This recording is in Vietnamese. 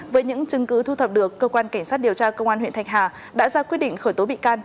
với những chứng cứ thu thập được cơ quan cảnh sát điều tra công an huyện thạch hà đã ra quyết định khởi tố bị can